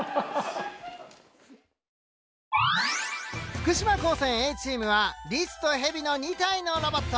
福島高専Ａチームはリスとヘビの２体のロボット。